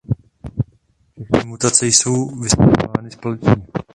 Všechny mutace jsou vysazovány společně.